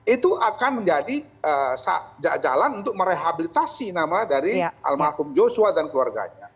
itu akan menjadi jalan untuk merehabilitasi nama dari almarhum joshua dan keluarganya